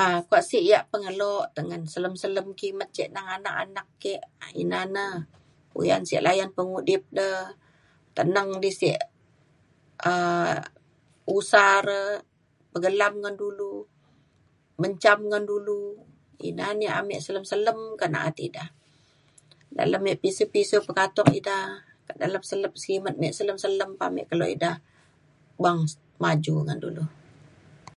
um kuak sik yak pengelo tengen selem selem kimet ce neng anak anak ke ina na puyan sek layan pemudip de teneng di sek um usa re pegelam ngan dulu menjam ngan dulu. ina na yak ame selem selem kak na’at ida. dalem me pisiu pisiu pekatok ida kak dalem selep kimet me selem selem pa ame kelo ida beng maju ngan dulu